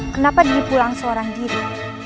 kenapa diri pulang seorang diri